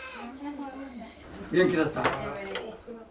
元気だった？